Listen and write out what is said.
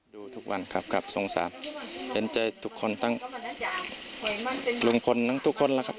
ดูทุกวันครับครับสงสารเห็นใจทุกคนทั้งลุงพลทั้งทุกคนแล้วครับ